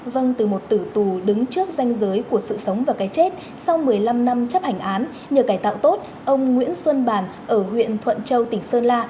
vâng từ một tử tù đứng trước danh giới của sự sống và cái chết sau một mươi năm năm chấp hành án nhờ cải tạo tốt ông nguyễn xuân bàn ở huyện thuận châu tỉnh sơn la